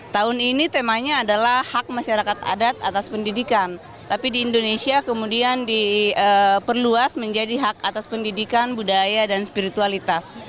tahun ini temanya adalah hak masyarakat adat atas pendidikan tapi di indonesia kemudian diperluas menjadi hak atas pendidikan budaya dan spiritualitas